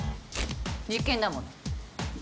実験だもの。